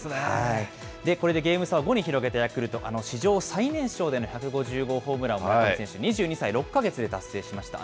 これでゲーム差を５に広げたヤクルト、史上最年少での１５０号ホームランは、２２歳６か月で達成しました。